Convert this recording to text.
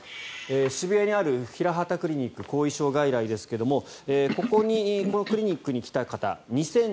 渋谷にあるヒラハタクリニック後遺症外来ですがこのクリニックに来た方